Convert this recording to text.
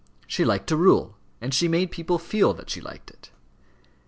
She liked to rule, and she made people feel that she liked it.